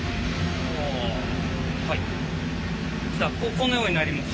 このようになります。